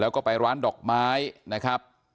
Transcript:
แล้วก็ไปร้านดอกไม้นะครับ